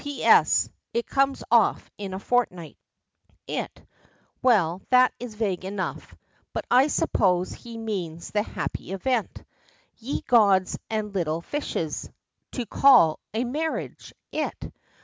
"P.S. It comes off in a fortnight." "'It,' well that is vague enough, but I suppose he means the happy event. Ye gods and little fishes! to call a marriage 'it'!